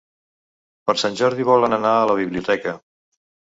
Per Sant Jordi volen anar a la biblioteca.